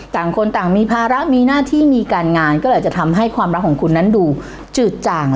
ต่างคนต่างมีภาระมีหน้าที่มีการงานก็เลยอาจจะทำให้ความรักของคุณนั้นดูจืดจัง